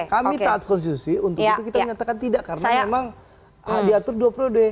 kami taat konstitusi untuk itu kita mengatakan tidak karena memang diatur duo prode